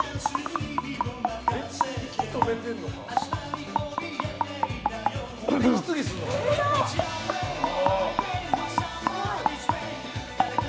息止めてるのか？